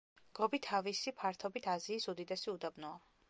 გობი თავისი ფართობით აზიის უდიდესი უდაბნოა.